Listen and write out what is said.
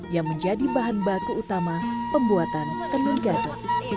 yang menjadi bahan baku utama pembuatan tenur gato